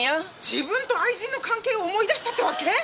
自分と愛人の関係を思い出したってわけ？